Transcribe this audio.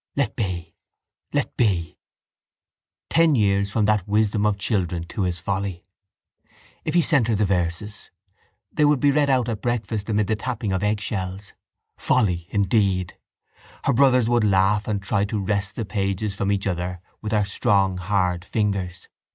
Let be! Let be! Ten years from that wisdom of children to his folly. If he sent her the verses? They would be read out at breakfast amid the tapping of eggshells. Folly indeed! Her brothers would laugh and try to wrest the page from each other with their strong hard fingers.